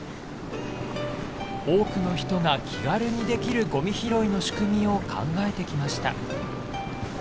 多くの人が気軽にできるゴミ拾いの仕組みを考えてきました。